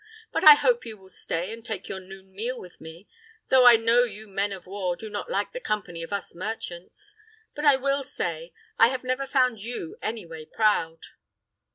But I hope you will stay and take your noon meal with me; though I know you men of war do not like the company of us merchants. But I will say, I have never found you any way proud."